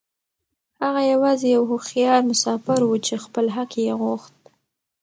هغه يوازې يو هوښيار مسافر و چې خپل حق يې غوښت.